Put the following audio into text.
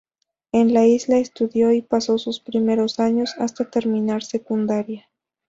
En la isla estudió y pasó sus primeros años hasta terminar secundaria.